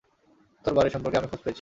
তোর বারের সম্পর্কে আমি খোঁজ পেয়েছি।